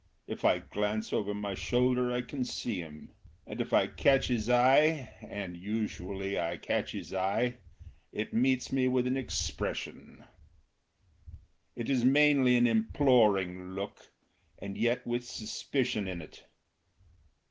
If I glance over my shoulder I can see him. And if I catch his eye and usually I catch his eye it meets me with an expression. It is mainly an imploring look and yet with suspicion in it.